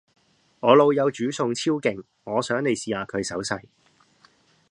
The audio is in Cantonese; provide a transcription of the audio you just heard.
我老友煮餸超勁，我想你試下佢手勢